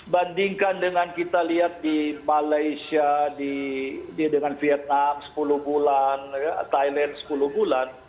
bandingkan dengan kita lihat di malaysia dengan vietnam sepuluh bulan thailand sepuluh bulan